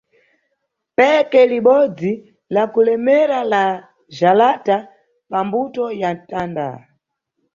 Bheke libodzi lakulemera la jalata pa mbuto ya mtanda.